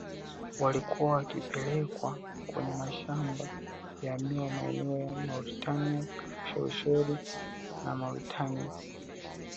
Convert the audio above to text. Walikuwa wakipelekwa kwenye mashamba ya miwa maeneo ya Mauritius Ushelisheli na Mauritania